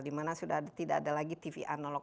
dimana sudah tidak ada lagi tv analog